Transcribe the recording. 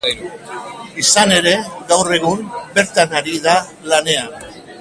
Izan ere, gaur egun, bertan ari da lanean.